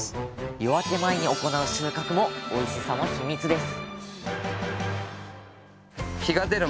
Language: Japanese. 夜明け前に行う収穫もおいしさのヒミツです